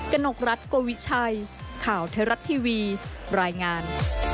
กนกรัฐโกวิชัยข่าวไทยรัฐทีวีรายงาน